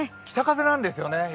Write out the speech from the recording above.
北風なんですよね。